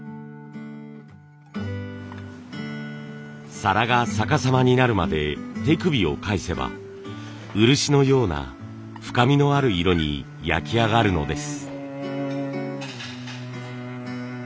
皿が逆さまになるまで手首を返せば漆のような深みのある色に焼き上がるのです。